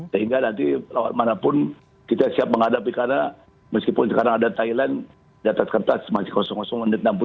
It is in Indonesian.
sehingga nanti lawan manapun kita siap menghadapi karena meskipun sekarang ada thailand catat kertas masih kosong menit enam puluh tiga